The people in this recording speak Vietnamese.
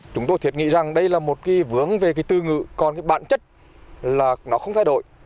chúng tôi thiệt nghĩ rằng đây là một vướng về tư ngữ còn bản chất là nó không thay đổi